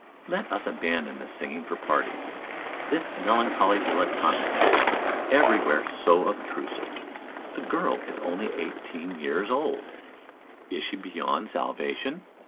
Let us abandon this singing for parties, this melancholy dilettantismus, everywhere so obtrusive! The girl is only eighteen years old: is she beyond salvation?